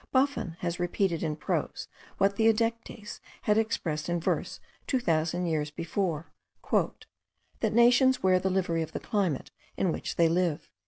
Buffon has repeated in prose what Theodectes had expressed in verse two thousand years before: "that nations wear the livery of the climate in which they live."